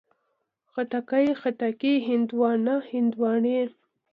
خټکی، خټکي، هندواڼه، هندواڼې